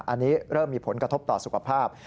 อันนี้เริ่มมีผลกระทบต่อสุขภาพ